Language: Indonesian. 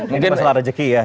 ini masalah rezeki ya